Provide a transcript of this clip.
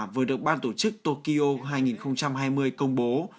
vừa được ban tổ chức tokyo hai nghìn hai mươi công bố